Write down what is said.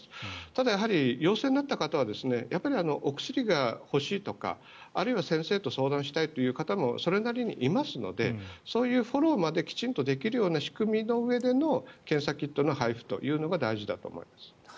ただ、陽性になった方はお薬が欲しいだとかあるいは先生と相談したいという方もそれなりにいますのでそういうフォローまできちんとできるような仕組みのうえでの検査キットの配布というのが大事だと思います。